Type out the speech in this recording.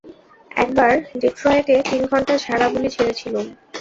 একবার ডেট্রয়েটে তিন ঘণ্টা ঝাড়া বুলি ঝেড়েছিলুম।